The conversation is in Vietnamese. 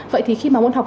vậy thì khi mà môn học